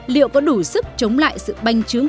liệu có đủ sức chống lại sự banh chướng